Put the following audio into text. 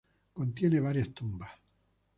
Contiene varias tumbas.